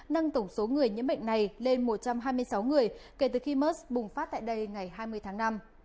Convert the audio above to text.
nâng tổng số người nhiễm bệnh này lên một trăm hai mươi sáu người kể từ khi mers bùng phát tại đây ngày hai mươi tháng năm